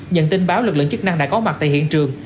nhận tin báo lực lượng chức năng đã có mặt tại hiện trường